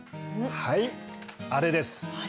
はいあれです。